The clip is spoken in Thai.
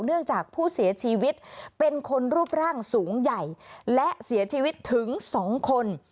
เนื่องจากผู้เสียชีวิตเป็นคนรูปร่างสูงใหญ่และเสียชีวิตถึง๒คน